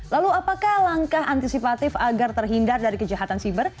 lalu apakah langkah antisipatif agar terhindar dari kejahatan siber